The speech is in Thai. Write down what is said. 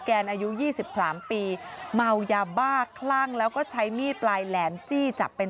แนนอายุ๒๓ปีเมายาบ้าคลั่งแล้วก็ใช้มีดปลายแหลมจี้จับเป็น